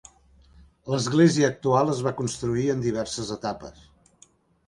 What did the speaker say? L'església actual es va construir en diverses etapes.